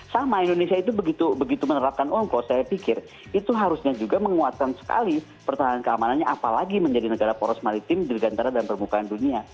sama indonesia itu begitu menerapkan ongkos saya pikir itu harusnya juga menguatkan sekali pertahanan keamanannya apalagi menjadi negara poros maritim dirgantara dan permukaan dunia